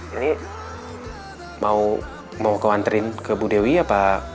ini mau mau kau anterin ke bu dewi apa